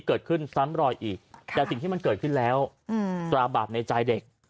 เกิดขึ้นซ้ำลอย